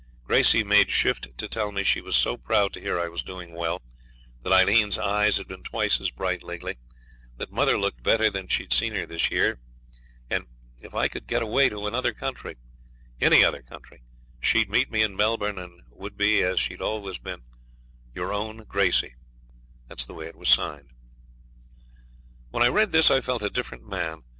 Gracey made shift to tell me she was so proud to hear I was doing well; that Aileen's eyes had been twice as bright lately; that mother looked better than she'd seen her this years; and if I could get away to any other country she'd meet me in Melbourne, and would be, as she'd always been, 'your own Gracey' that's the way it was signed. When I read this I felt a different man.